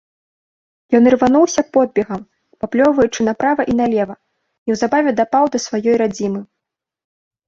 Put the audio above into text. Ён ірвануўся подбегам, паплёўваючы направа і налева, неўзабаве дапаў да сваёй радзімы.